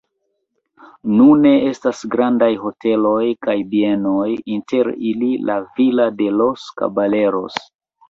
Nune estas grandaj hoteloj kaj bienoj, inter ili La Villa de los Caballeros.